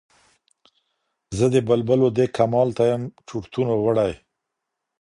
زه د بلبلو دې کمال ته یم چرتونو وړی